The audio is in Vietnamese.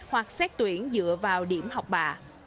hoặc xét tuyển dựa vào điểm học bà